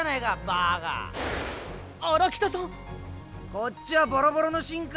⁉こっちはボロボロの新開